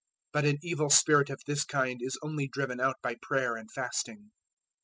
017:021 But an evil spirit of this kind is only driven out by prayer and fasting."